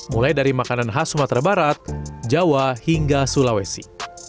mulai dari makanan khas sumatera barat jawa hingga sulawesi